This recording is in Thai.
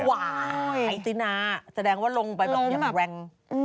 ไอตินาแสดงว่าลงไปแบบอย่างแรง